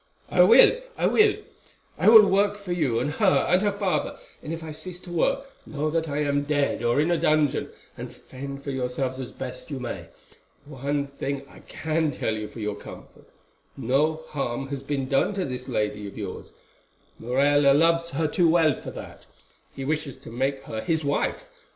"I will—I will. I will work for you and her and her father, and if I cease to work, know that I am dead or in a dungeon, and fend for yourselves as best you may. One thing I can tell you for your comfort—no harm has been done to this lady of yours. Morella loves her too well for that. He wishes to make her his wife.